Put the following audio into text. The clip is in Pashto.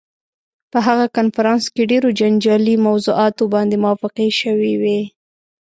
په هغه کنفرانس کې ډېرو جنجالي موضوعاتو باندې موافقې شوې وې.